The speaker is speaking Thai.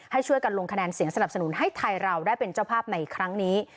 ให้ช่วยกันลงคะแนนเสียงสนับสนุนให้ไทยเราได้เป็นเจ้าภาพในครั้งนี้